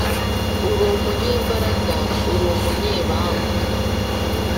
Ur'umunyambarag'ur'umunyebambe: